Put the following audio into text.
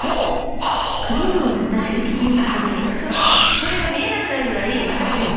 それが見えなくなるぐらいまたクリーム。